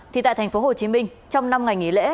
thì tại thành phố hồ chí minh trong năm ngày nghỉ lễ